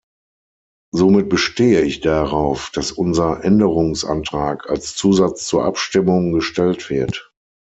Somit bestehe ich darauf, dass unser Änderungsantrag als Zusatz zur Abstimmung gestellt wird.